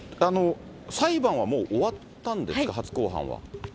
裁判はもう終わったんですか？